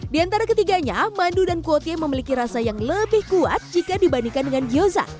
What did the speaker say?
di antara ketiganya mandu dan kuotie memiliki rasa yang lebih kuat jika dibandingkan dengan gyoza